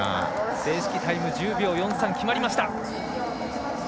正式タイム１０秒４３決まりました。